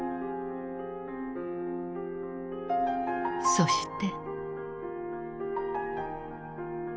そして。